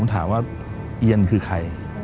ถามว่าเอียนคือใคร